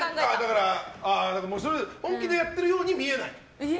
本気でやってるように見えない。